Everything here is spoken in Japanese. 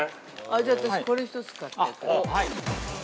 ◆じゃあ、私これ１つ買ってく。